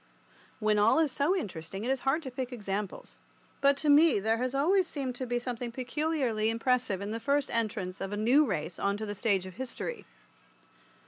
When all is so interesting it is hard to pick examples, but to me there has always seemed to be something peculiarly impressive in the first entrance of a new race on to the stage of history.